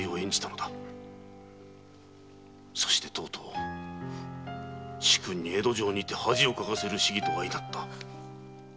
そしてとうとう主君に江戸城にて恥をかかせる仕儀と相成った。